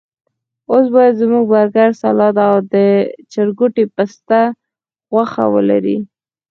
اوس باید زموږ برګر، سلاد او د چرګوټي پسته غوښه ولري.